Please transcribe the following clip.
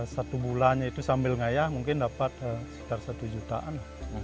satu bulannya itu sambil ngayah mungkin dapat sekitar satu jutaan